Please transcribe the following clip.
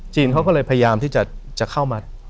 จีนเขาก็เลยพยายามจะเข้ามัด